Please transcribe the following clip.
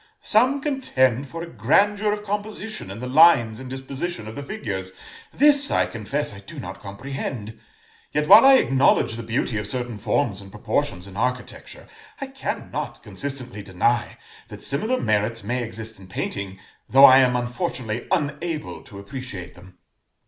Some contend for a grandeur of composition in the lines and disposition of the figures; this, I confess, I do not comprehend; yet, while I acknowledge the beauty of certain forms and proportions in architecture, I cannot consistently deny that similar merits may exist in painting, though I am unfortunately unable to appreciate them."